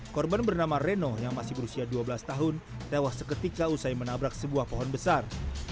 korban bernama reno yang masih berusia dua belas tahun tewas seketika usai menabrak sebuah pohon besar